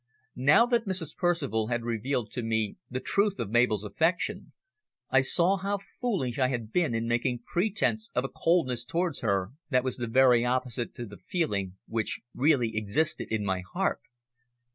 Now that Mrs. Percival had revealed to me the truth of Mabel's affection I saw how foolish I had been in making pretence of a coldness towards her that was the very opposite to the feeling which really existed in my heart.